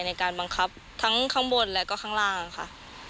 ในการบังคับทั้งข้างบนและก็ข้างล่างค่ะ